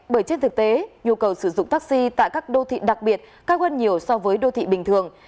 bởi trên thực tế nhu cầu sử dụng taxi tại các đô thị đặc biệt cao hơn nhiều so với đô thị bình thường